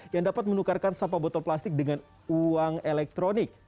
yang dapat menukarkan sampah botol plastik dengan uang elektronik